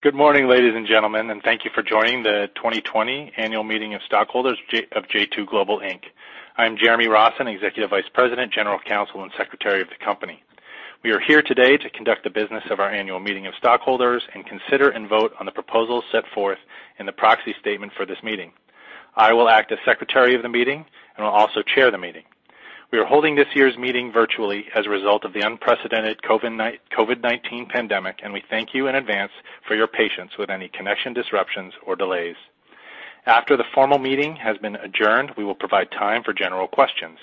Good morning, ladies and gentlemen, and thank you for joining the 2020 annual meeting of stockholders of J2 Global, Inc. I'm Jeremy Rossen, executive vice president, general counsel, and secretary of the company. We are here today to conduct the business of our annual meeting of stockholders and consider and vote on the proposals set forth in the proxy statement for this meeting. I will act as secretary of the meeting and will also chair the meeting. We are holding this year's meeting virtually as a result of the unprecedented COVID-19 pandemic. We thank you in advance for your patience with any connection disruptions or delays. After the formal meeting has been adjourned, we will provide time for general questions.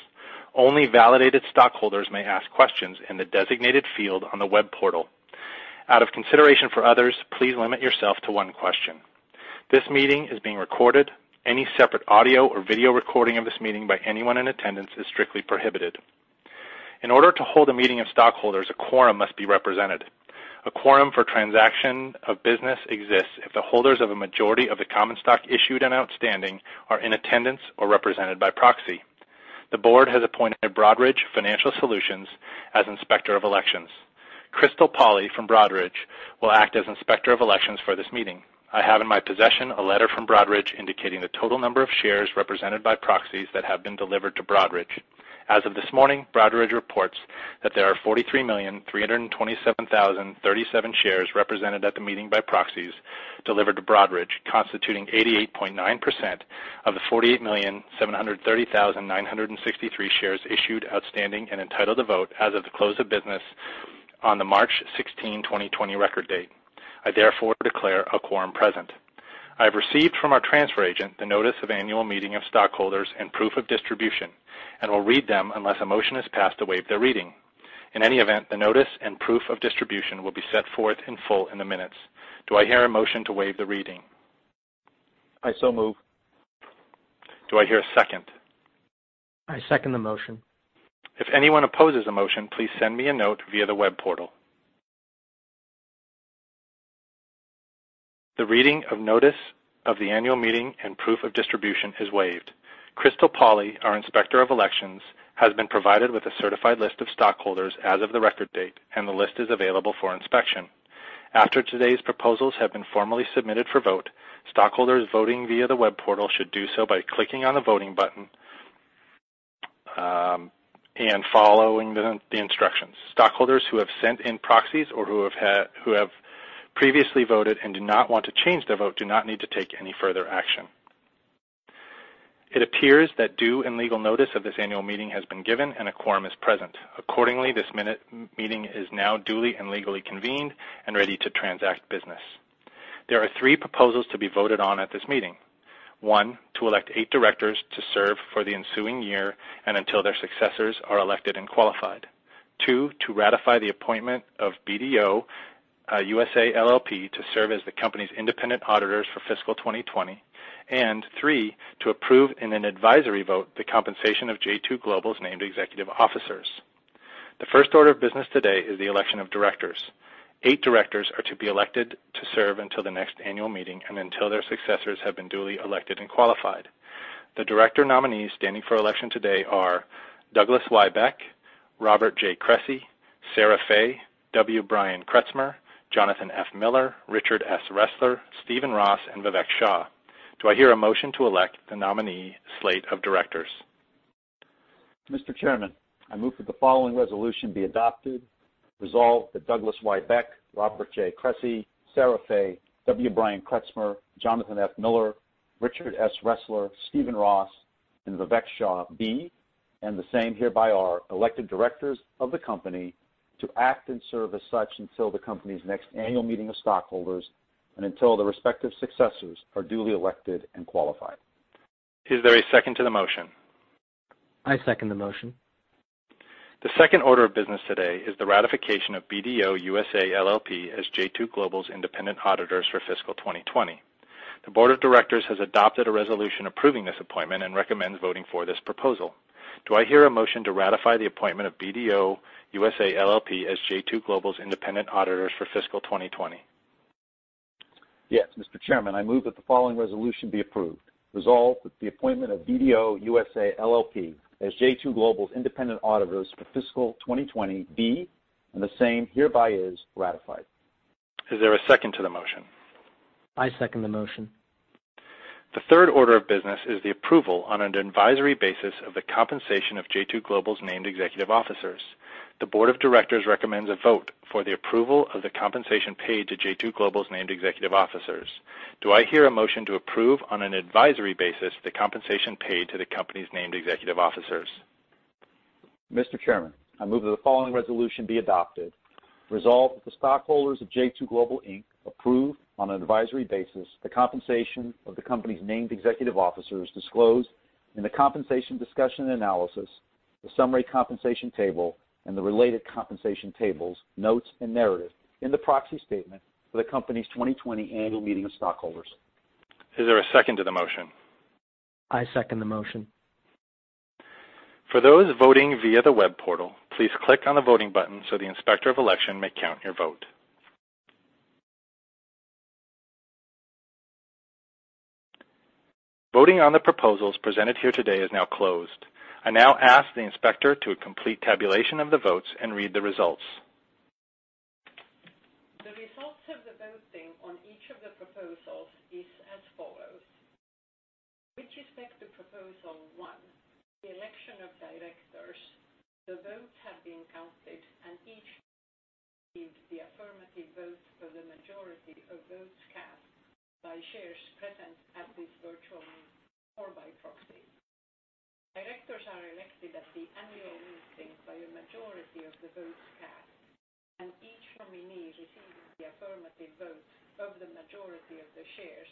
Only validated stockholders may ask questions in the designated field on the web portal. Out of consideration for others, please limit yourself to one question. This meeting is being recorded. Any separate audio or video recording of this meeting by anyone in attendance is strictly prohibited. In order to hold a meeting of stockholders, a quorum must be represented. A quorum for transaction of business exists if the holders of a majority of the common stock issued and outstanding are in attendance or represented by proxy. The board has appointed Broadridge Financial Solutions as inspector of elections. Crystal Pauley from Broadridge will act as inspector of elections for this meeting. I have in my possession a letter from Broadridge indicating the total number of shares represented by proxies that have been delivered to Broadridge. As of this morning, Broadridge reports that there are 43,327,037 shares represented at the meeting by proxies delivered to Broadridge, constituting 88.9% of the 48,730,963 shares issued, outstanding, and entitled to vote as of the close of business on the March 16, 2020, record date. I therefore declare a quorum present. I have received from our transfer agent the notice of annual meeting of stockholders and proof of distribution, and will read them unless a motion is passed to waive the reading. In any event, the notice and proof of distribution will be set forth in full in the minutes. Do I hear a motion to waive the reading? I so move. Do I hear a second? I second the motion. If anyone opposes the motion, please send me a note via the web portal. The reading of notice of the annual meeting and proof of distribution is waived. Crystal Pauley, our inspector of elections, has been provided with a certified list of stockholders as of the record date, and the list is available for inspection. After today's proposals have been formally submitted for vote, stockholders voting via the web portal should do so by clicking on the voting button, and following the instructions. Stockholders who have sent in proxies or who have previously voted and do not want to change their vote do not need to take any further action. It appears that due and legal notice of this annual meeting has been given and a quorum is present. Accordingly, this meeting is now duly and legally convened and ready to transact business. There are three proposals to be voted on at this meeting. One, to elect eight directors to serve for the ensuing year and until their successors are elected and qualified. Two, to ratify the appointment of BDO USA, LLP to serve as the company's independent auditors for fiscal 2020. Three, to approve in an advisory vote the compensation of J2 Global's named executive officers. The first order of business today is the election of directors. Eight directors are to be elected to serve until the next annual meeting and until their successors have been duly elected and qualified. The director nominees standing for election today are Douglas Y. Bech, Robert J. Cresci, Sarah Fay, W. Brian Kretzmer, Jonathan F. Miller, Richard S. Ressler, Stephen Ross, and Vivek Shah. Do I hear a motion to elect the nominee slate of directors? Mr. Chairman, I move that the following resolution be adopted. Resolve that Douglas Y. Bech, Robert J. Cresci, Sarah Fay, W. Brian Kretzmer, Jonathan F. Miller, Richard S. Ressler, Stephen Ross, and Vivek Shah be, and the same hereby are elected directors of the company to act and serve as such until the company's next annual meeting of stockholders and until their respective successors are duly elected and qualified. Is there a second to the motion? I second the motion. The second order of business today is the ratification of BDO USA, LLP as J2 Global's independent auditors for fiscal 2020. The board of directors has adopted a resolution approving this appointment and recommends voting for this proposal. Do I hear a motion to ratify the appointment of BDO USA, LLP as J2 Global's independent auditors for fiscal 2020? Yes, Mr. Chairman, I move that the following resolution be approved. Resolve that the appointment of BDO USA, LLP as J2 Global's independent auditors for fiscal 2020 be, and the same hereby is ratified. Is there a second to the motion? I second the motion. The third order of business is the approval on an advisory basis of the compensation of J2 Global's named executive officers. The Board of Directors recommends a vote for the approval of the compensation paid to J2 Global's named executive officers. Do I hear a motion to approve on an advisory basis the compensation paid to the company's named executive officers? Mr. Chairman, I move that the following resolution be adopted. Resolve that the stockholders of J2 Global, Inc. approve on an advisory basis the compensation of the company's named executive officers disclosed in the compensation discussion and analysis, the summary compensation table and the related compensation tables, notes, and narrative in the proxy statement for the company's 2020 annual meeting of stockholders. Is there a second to the motion? I second the motion. For those voting via the web portal, please click on the voting button so the inspector of election may count your vote. Voting on the proposals presented here today is now closed. I now ask the inspector to complete tabulation of the votes and read the results. The results of the voting on each of the proposals is as follows. With respect to Proposal One, the election of directors, the votes have been counted, and each nominee received the affirmative vote for the majority of votes cast by shares present at this virtual meeting or by proxy. Directors are elected at the annual meeting by a majority of the votes cast. Each nominee receiving the affirmative vote of the majority of the shares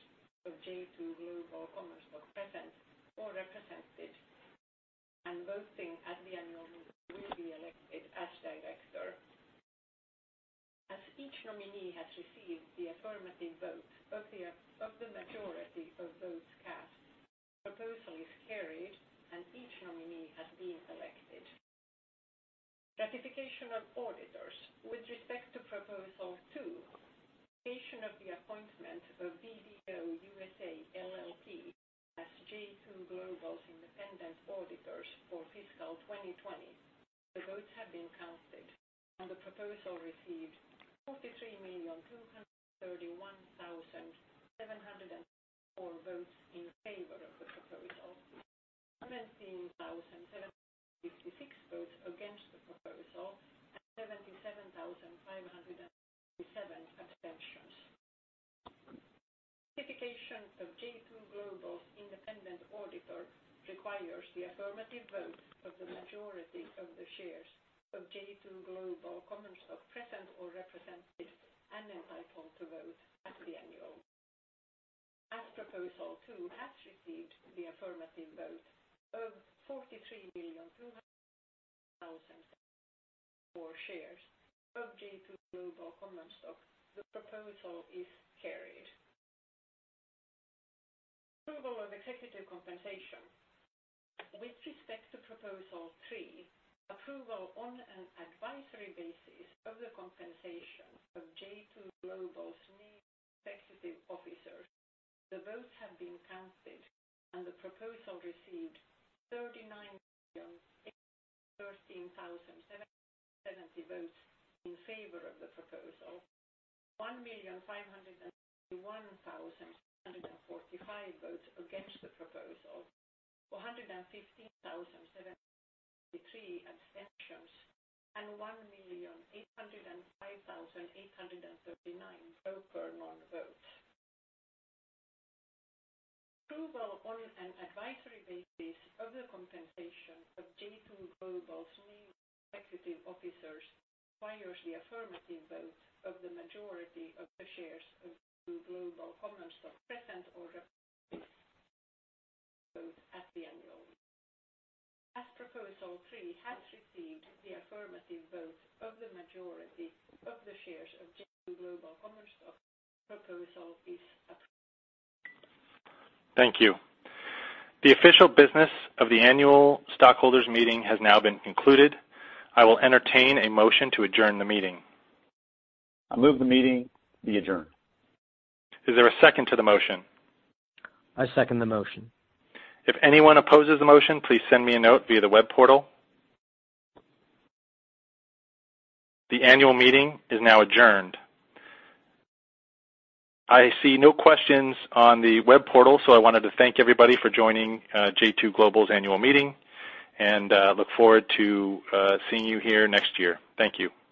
of J2 Global common stock present or represented and voting at the annual meeting will be elected as director. As each nominee has received the affirmative vote of the majority of votes cast, the proposal is carried, and each nominee has been elected. Ratification of auditors. With respect to Proposal Two, ratification of the appointment of BDO USA, LLP as J2 Global's independent auditors for fiscal 2020, the votes have been counted, and the proposal received 43,231,754 votes in favor of the proposal, 17,756 votes against the proposal, and 77,557 abstentions. Ratification of J2 Global's independent auditor requires the affirmative vote of the majority of the shares of J2 Global common stock present or represented and entitled to vote at the annual meeting. As Proposal Two has received the affirmative vote of 43,231,754 shares of J2 Global common stock, the proposal is carried. Approval of executive compensation. With respect to Proposal Three, approval on an advisory basis of the compensation of J2 Global's named executive officers, the votes have been counted, and the proposal received 39,813,770 votes in favor of the proposal, 1,531,245 votes against the proposal, 415,753 abstentions, and 1,805,839 broker non-votes. Approval on an advisory basis of the compensation of J2 Global's named executive officers requires the affirmative vote of the majority of the shares of J2 Global common stock present or represented to vote at the annual meeting. As Proposal three has received the affirmative vote of the majority of the shares of J2 Global common stock, the proposal is approved. Thank you. The official business of the annual stockholders meeting has now been concluded. I will entertain a motion to adjourn the meeting. I move the meeting be adjourned. Is there a second to the motion? I second the motion. If anyone opposes the motion, please send me a note via the web portal. The annual meeting is now adjourned. I see no questions on the web portal. I wanted to thank everybody for joining J2 Global's annual meeting and look forward to seeing you here next year. Thank you.